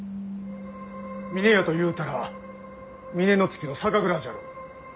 峰屋とゆうたら峰乃月の酒蔵じゃろう？